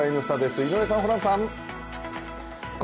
井上さん、ホランさん。